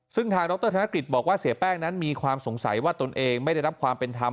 ซึ่งทางดรธนกฤษบอกว่าเสียแป้งนั้นมีความสงสัยว่าตนเองไม่ได้รับความเป็นธรรม